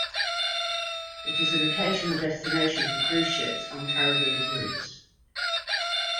It is an occasional destination for cruise ships on Caribbean routes.